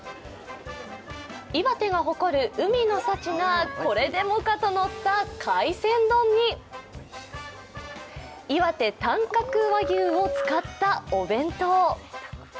岩手が誇る海の幸がこれでもかと乗った海鮮丼にいわて短角和牛を使ったお弁当。